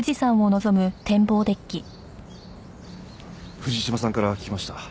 藤島さんから聞きました。